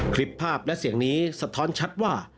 คลิปภาพและเสียงนี้สะท้อนชัดว่า